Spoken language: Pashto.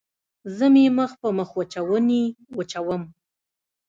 زه مې مخ په مخوچوني وچوم.